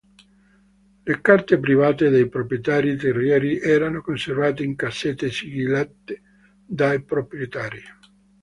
Le carte private dei proprietari terrieri erano conservate in cassette sigillate dai proprietari.